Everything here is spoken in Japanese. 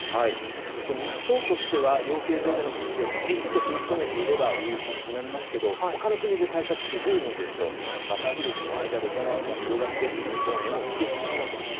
日本としては養鶏場での発生をきちっと封じ込めていればウイルスがなくなりますが他の国の対策が不十分ですと渡り鳥の間で感染が広がって日本へも来てしまうわけです。